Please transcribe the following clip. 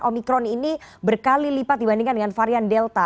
omikron ini berkali lipat dibandingkan dengan varian delta